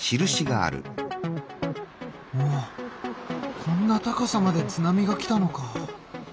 おっこんな高さまで津波が来たのか。